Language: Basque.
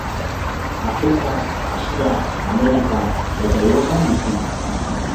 Afrika, Asia, Amerika eta Europan bizi dira.